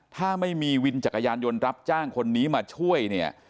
ถ้าไม่มีวินจักรยานยนต์รับจ้างคนนี้มาช่วยเนี่ย